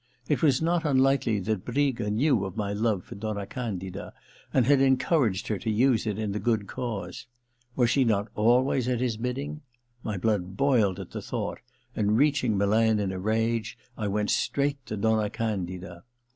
It was not unlikely that Briga knew of my love for Donna Candida, and had encouraged her to use it in the good cause. Was she not always at his bidding ? My blood boiled at the thought, and reaching Milan in a rage I went straight to Donna Candida.